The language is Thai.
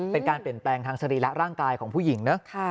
เป็นการเปลี่ยนแปลงทางสรีระร่างกายของผู้หญิงนะ